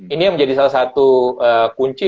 ini yang menjadi salah satu kunci